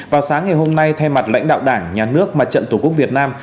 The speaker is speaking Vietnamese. vào sáng ngày hôm nay thay mặt lãnh đạo đảng nhà nước mặt trận tổ quốc việt nam